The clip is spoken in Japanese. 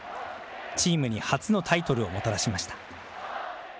チームに初のタイトルをもたらしました。